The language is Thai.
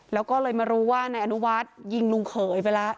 แล้วก็เลยมารู้ว่านายอนุวัฒน์ยิงลุงเขยไปแล้ว